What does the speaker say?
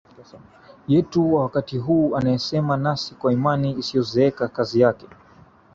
yetu wa wakati huu anayesema nasi kwa imani isiyozeeka Kazi yake